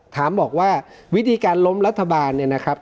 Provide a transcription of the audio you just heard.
ถามบอกว่าวิธีการล้มรัฐบาลเนี่ยนะครับ